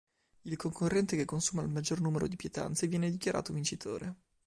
Il concorrente che consuma il maggior numero di pietanze viene dichiarato vincitore.